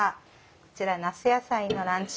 こちら那須野菜のランチ